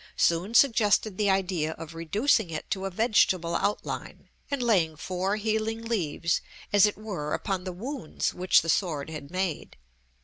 soon suggested the idea of reducing it to a vegetable outline, and laying four healing leaves, as it were, upon the wounds which the sword had made.